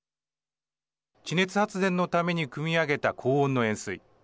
地熱発電のためにくみ上げた高温の塩水。